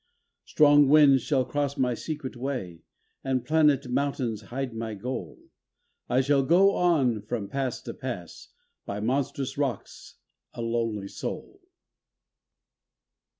Strong winds shall cross my secret way, And planet mountains hide my goal, I shall go on from pass to pass. By monstrous rocks, a lonely soul.